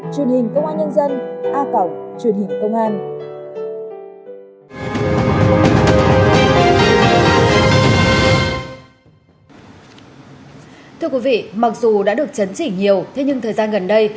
thưa quý vị mặc dù đã được chấn chỉ nhiều thế nhưng thời gian gần đây